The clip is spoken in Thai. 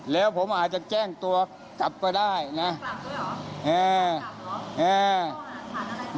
แล้วผมอาจจะแจ้งตัวจับก็ได้นะจับด้วยหรออ่าอ่า